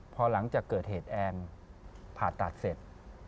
พอหลังจากเกิดเหตุแอนผ่าตัดเสร็จ